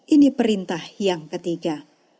ini perintah yang ketiga